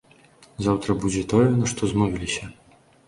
Заўтра будзе тое, на што змовіліся.